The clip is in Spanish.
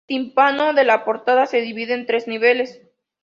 El tímpano de la portada se divide en tres niveles.